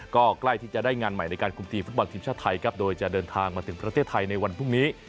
ก็ใกล้ที่จะได้งานใหม่ในการคุมทีมฟุตบอลทีมชาติไทยครับโดยจะเดินทางมาถึงประเทศไทยในวันพรุ่งนี้